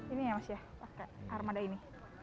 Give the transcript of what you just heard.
ini ya mas ya pakai armada ini